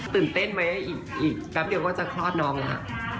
ตื่นเต้นไหมอีกแป๊บเดียวก็จะคลอดน้องแล้ว